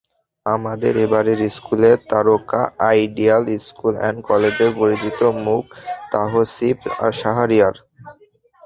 আমাদের এবারের স্কুলের তারকা আইডিয়াল স্কুল অ্যান্ড কলেজের পরিচিত মুখ তাহসিফ শাহরিয়ার।